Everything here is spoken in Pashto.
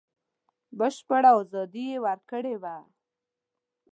بشپړه ازادي یې ورکړې وه.